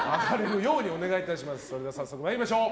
それは早速参りましょう。